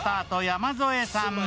・山添さん。